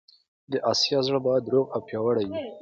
د اسیا زړه باید روغ او پیاوړی وي.